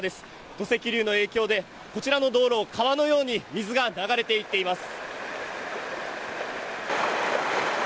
土石流の影響で、こちらの道路、川のように水が流れていっています。